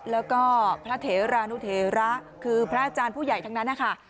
แล้วก็พระเถรานุเทระคือพระอาจารย์ผู้ใหญ่ทั้งนั้นนะคะ